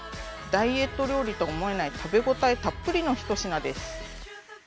ダイエット料理と思えない食べ応えたっぷりの１品です。